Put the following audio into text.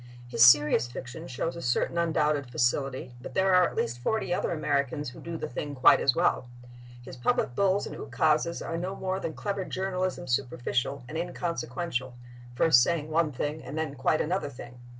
His serious fiction shows a certain undoubted facility, but there are at least forty other Americans who do the thing quite as well. His public bulls and ukases are no more than clever journalism—superficial and inconsequential, first saying one thing and then quite another thing.